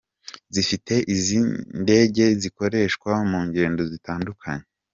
zifite izi ndege zikorershwa mu ngendo zitandukanye.